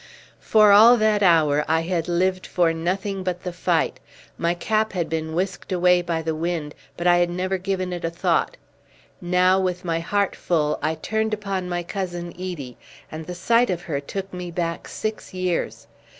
For all that hour I had lived for nothing but the fight. My cap had been whisked away by the wind, but I had never given it a thought. Now with my heart full I turned upon my Cousin Edie, and the sight of her took me back six years.